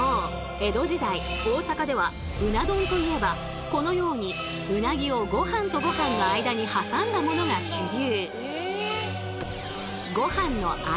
江戸時代大阪ではうな丼といえばこのようにうなぎをごはんとごはんの間に挟んだものが主流。